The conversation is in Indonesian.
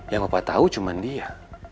yang bapak tahu cuma dia